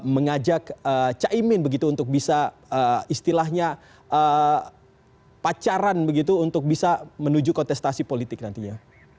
mengajak caimin begitu untuk bisa istilahnya pacaran begitu untuk bisa menuju kontestasi politik nantinya